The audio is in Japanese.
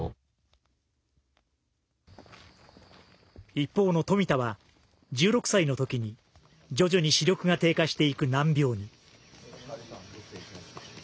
一方の富田は１６歳の時に徐々に視力が低下していく難病に。